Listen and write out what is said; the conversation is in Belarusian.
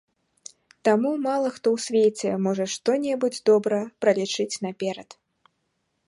Таму мала хто ў свеце можа што-небудзь добра пралічыць наперад.